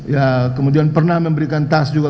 ya kemudian pernah memberikan tas juga